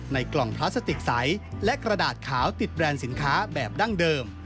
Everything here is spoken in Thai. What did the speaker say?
กล่องพลาสติกใสและกระดาษขาวติดแบรนด์สินค้าแบบดั้งเดิม